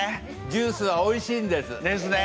ジュースはおいしいんです。ですね！